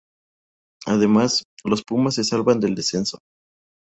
Además, los pumas se salvan del descenso.